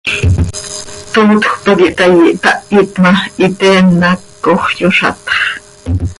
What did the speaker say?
Tootjöc pac ihtaai, ihtahit ma, hiteen án hac coox yozatx.